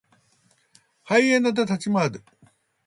ハイエナで立ち回る。